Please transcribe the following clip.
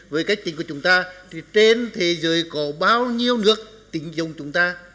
với cách tính của chúng ta thì trên thế giới có bao nhiêu nước tính dụng chúng ta